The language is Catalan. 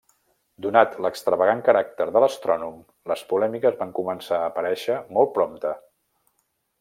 Donat l'extravagant caràcter de l'astrònom, les polèmiques van començar a aparèixer molt prompte.